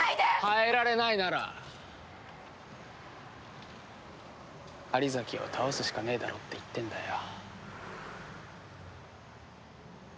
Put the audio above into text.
変えられないなら狩崎を倒すしかねえだろって言ってんだよ。